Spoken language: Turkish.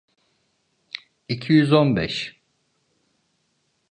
İki yüz on beş.